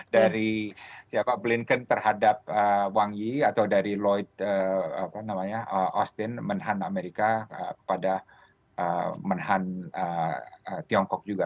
dari siapa blinken terhadap wang yi atau dari austin menhan amerika kepada menhan tiongkok juga